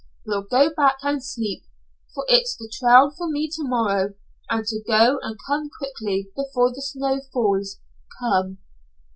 We'll go back and sleep, for it's the trail for me to morrow, and to go and come quickly, before the snow falls. Come!"